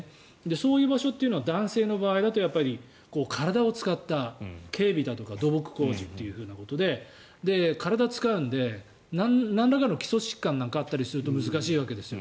そういう場所というのは男性の場合だと体を使った警備だとか土木工事ということで体を使うので、なんらかの基礎疾患があったりすると難しいわけですよ